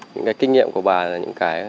những cái kinh nghiệm của bà là những cái